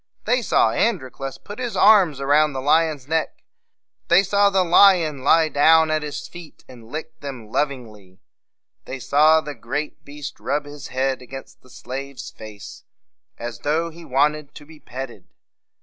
They saw Androclus put his arms around the lion's neck; they saw the lion lie down at his feet, and lick them lov ing ly; they saw the great beast rub his head against the slave's face as though he wanted to be petted.